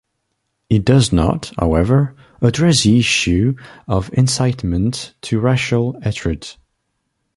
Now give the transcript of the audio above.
It does not, however, address the issue of incitement to racial hatred.